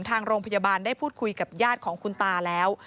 ทางโรงพยาบาลได้พูดคุยกับญาติของคุณตาแล้ว